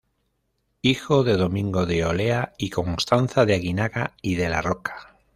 Hijo de Domingo de Olea y Constanza de Aguinaga y de la Roca.